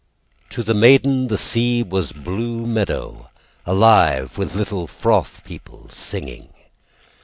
To the maiden The sea was blue meadow, Alive with little froth people Singing.